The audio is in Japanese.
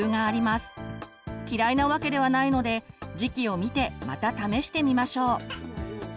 嫌いなわけではないので時期を見てまた試してみましょう。